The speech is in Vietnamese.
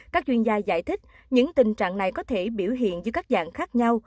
các chuyên gia giải thích những tình trạng này có thể biểu hiện dưới các dạng khác nhau